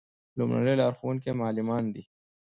لومړني لارښوونکي یې معلمان دي.